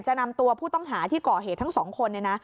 จะนำตัวผู้ต้องหาที่ก่อเหตุทั้งสองคน